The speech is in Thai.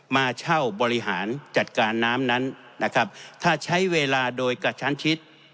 มาเช่าบริหารจัดการน้ำนั้นนะครับถ้าใช้เวลาโดยกระชั้นชิด